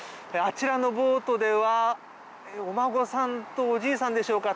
ボートでは、お孫さんとおじいさんでしょうか。